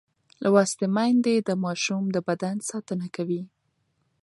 لوستې میندې د ماشوم د بدن ساتنه کوي.